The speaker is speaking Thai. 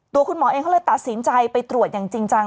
คุณหมอเองเขาเลยตัดสินใจไปตรวจอย่างจริงจัง